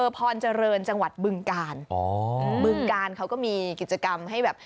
เบื้องกาลเบื้องกาลเขาก็มีกิจกรรมให้แบบ